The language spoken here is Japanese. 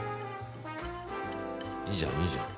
いいじゃんいいじゃん。